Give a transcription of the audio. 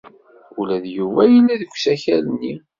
Ula d Yuba yella deg usakal-nni.